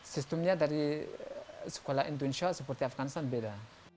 sistemnya dari sekolah indonesia seperti afganistan beda